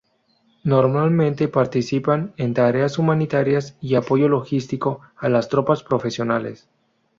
Normalmente participan en tareas humanitarias y apoyo logístico a las tropas profesionales.